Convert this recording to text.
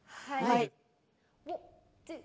はい。